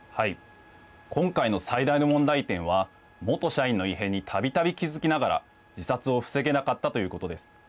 今回の最大の問題点は、元社員の異変にたびたび気付きながら、自殺を防げなかったということです。